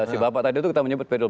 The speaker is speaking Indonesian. si bapak tadi itu kita menyebut pedofil